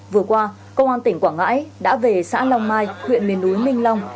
vừa qua công an tỉnh quảng ngãi đã về xã long mai huyện miền núi minh long